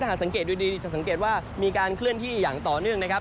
หากสังเกตดูดีจะสังเกตว่ามีการเคลื่อนที่อย่างต่อเนื่องนะครับ